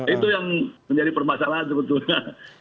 itu yang menjadi permasalahan sebetulnya